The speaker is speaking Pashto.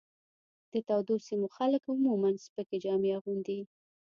د تودو سیمو خلک عموماً سپکې جامې اغوندي.